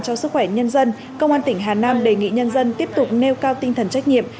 cho sức khỏe nhân dân công an tỉnh hà nam đề nghị nhân dân tiếp tục nêu cao tinh thần trách nhiệm